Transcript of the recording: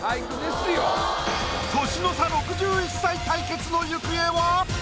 年の差６１歳対決の行方は？